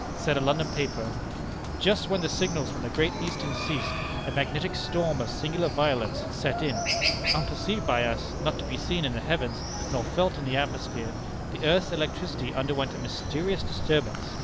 Said a London paper: "Just when the signals from the Great Eastern ceased, a magnetic storm of singular violence had set in. Unperceived by us, not to be seen in the heavens, nor felt in the atmosphere, the earth's electricity underwent a mysterious disturbance.